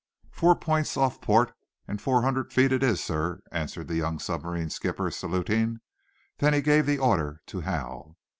"Four points off port and four hundred feet it is, sir," answered the young submarine skipper, saluting. Then he gave the order to Hal.